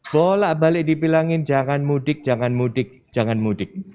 bolak balik dibilangin jangan mudik jangan mudik jangan mudik